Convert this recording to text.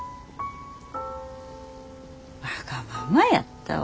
わがままやったわ。